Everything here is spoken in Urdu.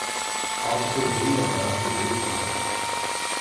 آپ سے دل لگا کے دیکھ لیا